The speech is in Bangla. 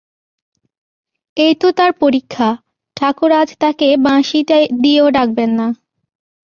এই তো তার পরীক্ষা, ঠাকুর আজ তাকে বাঁশি দিয়েও ডাকবেন না।